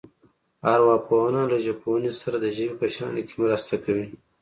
ارواپوهنه له ژبپوهنې سره د ژبې په شننه کې مرسته کوي